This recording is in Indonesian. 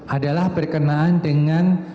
adalah berkenaan dengan